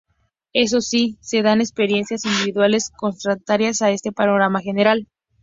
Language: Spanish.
Eso sí, se dan experiencias individuales contrarias a este panorama general.